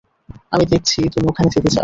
আমি দেখছি তুমি ওখানে যেতে চাও।